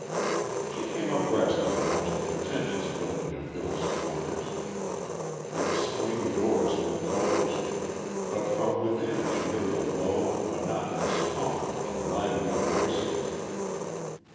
She came abreast of the most pretentious building of Hill's Corners; its swing doors were closed, but from within she heard a low, monotonous hum of languid voices.